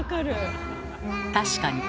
確かに。